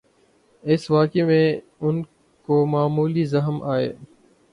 اس واقعے میں ان کو معمولی زخم آئے۔